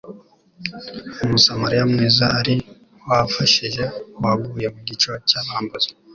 Umusamariya mwiza ari uwafashije uwaguye mu gico cy'abambuzi